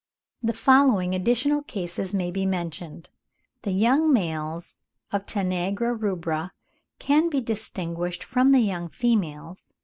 (48. The following additional cases may be mentioned; the young males of Tanagra rubra can be distinguished from the young females (Audubon, 'Ornith.